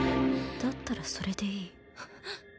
だったらそれでいい。はっ。